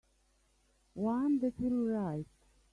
One that will write.